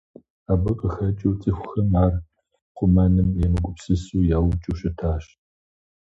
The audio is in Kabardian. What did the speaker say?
Абы къыхэкӀыу цӀыхухэм ар хъумэным емыгупсысу яукӀыу щытащ.